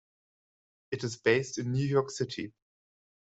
It is based in New York City.